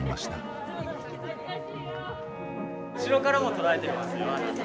後ろからも撮られていますよ